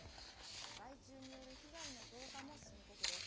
害虫による被害の増加も深刻です。